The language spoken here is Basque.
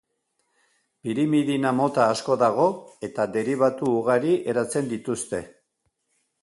Pirimidina-mota asko dago, eta deribatu ugari eratzen dituzte.